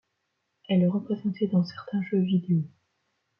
Elle est représentée dans certains jeux vidéo.